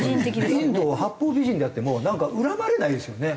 インドは八方美人であってもなんか恨まれないですよね。